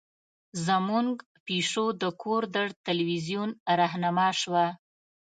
زمونږ پیشو د کور د تلویزیون رهنما شوه.